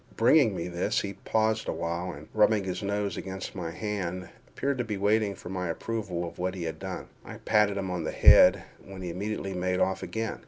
Bringing me this, he paused awhile, and, rubbing his nose against my hand, appeared to be waiting for my approval of what he had done. I patted him on the head, when he immediately made off again.